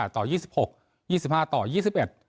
๒๕ต่อ๑๗๒๘ต่อ๒๖๒๕ต่อ๒๑